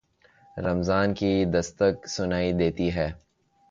رمضان کی دستک سنائی دیتی ہے۔